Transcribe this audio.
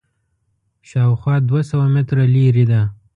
شاوخوا دوه سوه متره لرې ده.